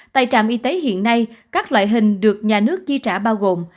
tại trạm y tế hiện nay các loại hình được nhà nước chi trả bao gồm